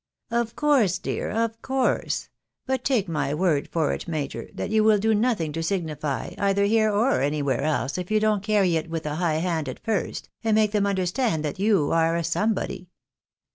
" Of course, dear, of course. But take my word for it, major, that you will do nothing to signify, either here or anywhere else if you don't carry it with a high hand at first, and make them im derstand that you are somebody."